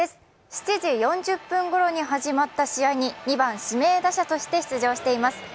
７時４０分ごろに始まった試合に２番・指名打者として出場しています。